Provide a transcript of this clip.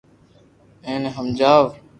ايني ھمجاو